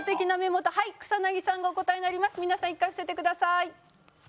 皆さん１回伏せてください。